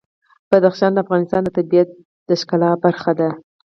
بدخشان د افغانستان د طبیعت د ښکلا برخه ده.